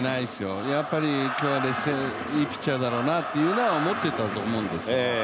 やっぱり今日は劣勢、いいピッチャーだなということは思っていたと思うんです。